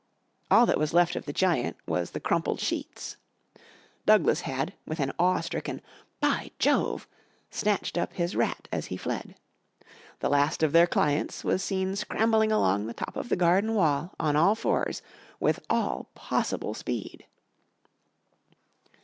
All that was left of the giant was the crumpled sheets. Douglas had, with an awe stricken "By Jove!" snatched up his rat as he fled. The last of their clients was seen scrambling along the top of the garden wall on all fours with all possible speed.